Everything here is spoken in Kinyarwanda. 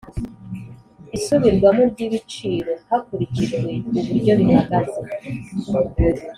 isubirwamo ry ibiciro hakurikijwe uburyo bihagaze